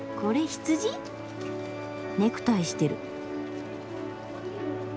ネクタイしてる。